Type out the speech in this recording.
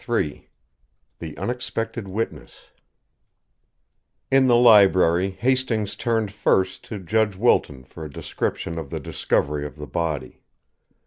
III THE UNEXPECTED WITNESS In the library Hastings turned first to Judge Wilton for a description of the discovery of the body.